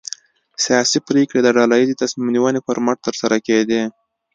سیاسي پرېکړې د ډله ییزې تصمیم نیونې پر مټ ترسره کېدې.